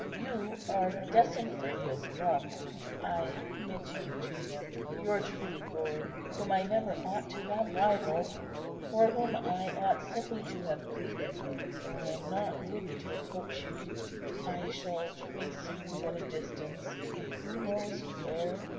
You are destined for His love. I commit you to Him, your true Lord, whom I never ought to have rivalled, for whom I ought simply to have pleaded. Though I am not worthy to approach you, I shall trace you at a distance, who knows where?